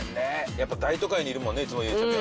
やっぱ大都会にいるもんねいつもゆうちゃみ